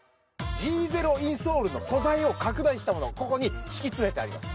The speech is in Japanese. Ｇゼロインソールの素材を拡大したものをここに敷き詰めてあります。